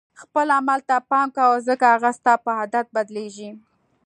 خپل عمل ته پام کوه ځکه هغه ستا په عادت بدلیږي.